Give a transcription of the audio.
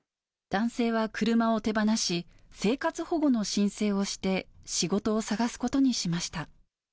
男性は車を手放し、生活保護の申請をして、仕事を探すことにしました。